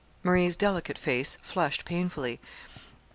Marie's delicate face flushed painfully.